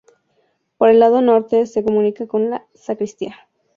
Por el lado norte se comunica con la sacristía.